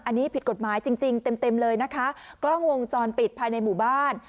อันนี้ผิดกฎหมายจริงจริงเต็มเต็มเลยนะคะกล้องวงจรปิดภายในหมู่บ้าน